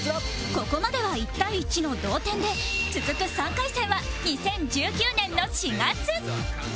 ここまでは１対１の同点で続く３回戦は２０１９年の４月